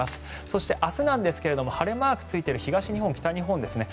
そして明日なんですが晴れマークがついている東日本、北日本ですね